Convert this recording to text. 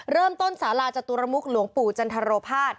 เริ่มต้นศาลาจตุรมุกหลวงปู่จันทรโภภาษณ์